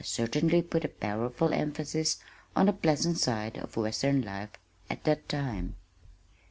I certainly put a powerful emphasis on the pleasant side of western life at that time.